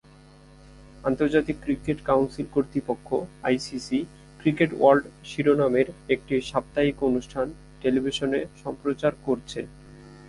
আন্তর্জাতিক cricket council কর্তৃপক্ষ ICC cricket world শিরোনামের একটি সাপ্তাহিক অনুষ্ঠান টেলিভিশনে সম্প্রচার করছে।